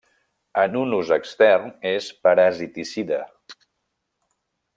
En un ús extern és parasiticida.